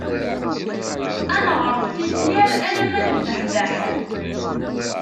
Ad neɣret tifyar alamma nebbeḥbeḥ.